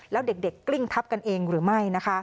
แล้วเด็กกลิ้งทับกันเองหรือไม่